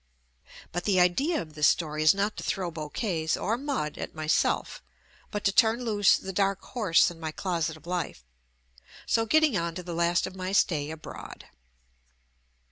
But the idea of this story is not to throw bouquets or mud at myself but to turn loose "the dark horse in my closet of life" — so get ting on to the last of my stay abroad.